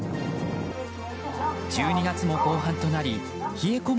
１２月も後半となり冷え込む